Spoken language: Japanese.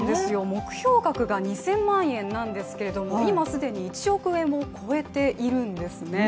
目標額が２０００万円なんですけれども、今、既に１億円を超えているんですね。